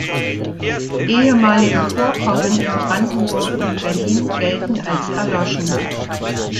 Ehemalige Vorkommen in Brandenburg und Berlin gelten als erloschen.